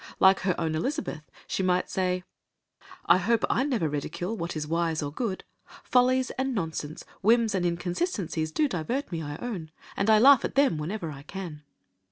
Like her own Elizabeth, she might say, "I hope I never ridicule what is wise or good. Follies and nonsense, whims and inconsistencies, do divert me, I own, and I laugh at them whenever I can."